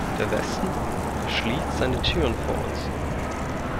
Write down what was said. Der Westen verschließt seine Türen vor uns.